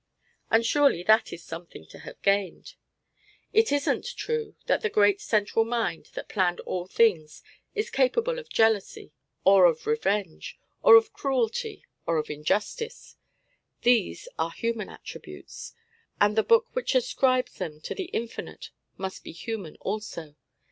And surely that is something to have gained. It isn't true that the great central Mind that planned all things is capable of jealousy or of revenge, or of cruelty or of injustice. These are human attributes; and the book which ascribes them to the Infinite must be human also.